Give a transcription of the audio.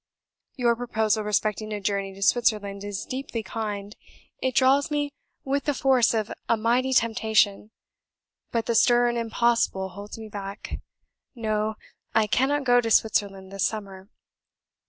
"Your proposal respecting a journey to Switzerland is deeply kind; it draws me with the force of a mighty Temptation, but the stern Impossible holds me back. No! I cannot go to Switzerland this summer.